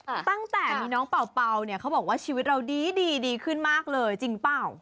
ตั้งแต่มีน้องเป่าเป่าเนี่ยเขาบอกว่าชีวิตเราดีดีขึ้นมากเลยจริงเปล่า